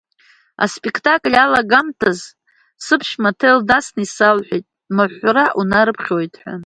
Аспектакль алагамҭаз сыԥшәма аҭел дасны исалҳәеит маҳәра унарыԥхьоит ҳәа.